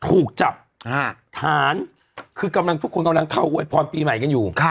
ถูกจับฐานคือกำลังทุกคนกำลังเข้าอวยพรปีใหม่กันอยู่